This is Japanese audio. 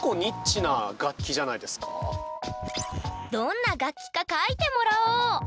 どんな楽器か描いてもらおう！